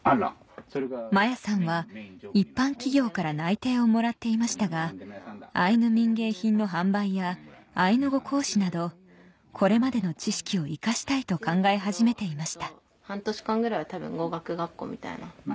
摩耶さんは一般企業から内定をもらっていましたがアイヌ民芸品の販売やアイヌ語講師などこれまでの知識を生かしたいと考え始めていました半年間ぐらいは多分語学学校みたいな。